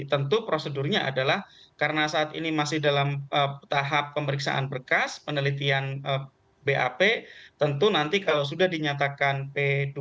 tentu prosedurnya adalah karena saat ini masih dalam tahap pemeriksaan berkas penelitian bap tentu nanti kalau sudah dinyatakan p dua puluh